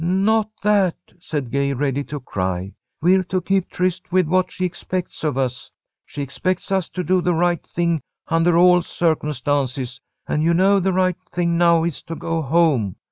"Not that," said Gay, ready to cry. "We're to keep tryst with what she expects of us. She expects us to do the right thing under all circumstances, and you know the right thing now is to go home.